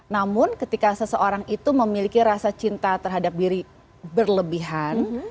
namun ketika seseorang itu memiliki rasa cinta terhadap diri berlebihan